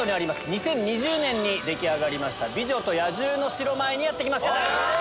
２０２０年に出来上がりました『美女と野獣』の城前にやって来ました！